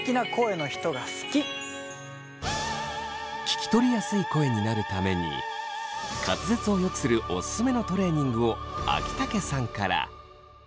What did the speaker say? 聞き取りやすい声になるために滑舌をよくするオススメのトレーニングを秋竹さんから。